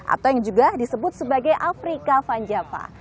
atau yang juga disebut sebagai afrika vanjava